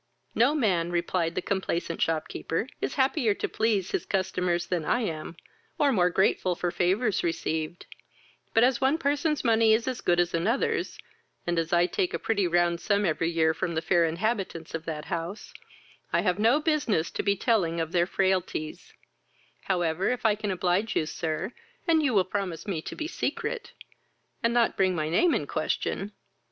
"No man (replied the complaisant shopkeeper) is happier to please his customers than I am, or more grateful for favours received; but, as one person's money is as good as another's, and as I take a pretty round sum every year from the fair inhabitants of that house, I have no business to be telling of their frailties: however, if I can oblige you, sir, and you will promise me to be secret, and not bring my name in question."